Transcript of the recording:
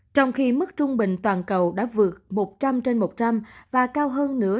trong khi mức trung bình toàn cầu đã vượt một trăm linh trên một trăm linh và cao hơn nữa